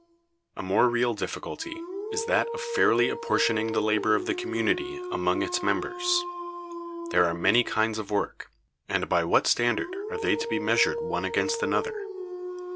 A more real difficulty is that of fairly apportioning the labor of the community among its members. There are many kinds of work, and by what standard are they to be measured one against another?